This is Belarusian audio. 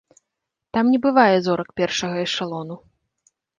Там не бывае зорак першага эшалону.